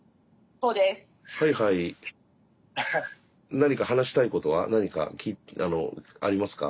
何か話したいことは何かありますか？